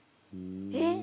えっ！？